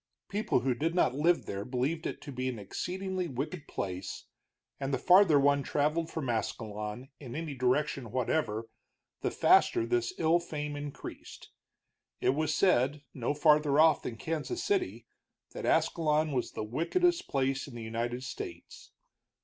People who did not live there believed it to be an exceedingly wicked place, and the farther one traveled from Ascalon, in any direction whatever, the faster this ill fame increased. It was said, no farther off than Kansas City, that Ascalon was the wickedest place in the United States.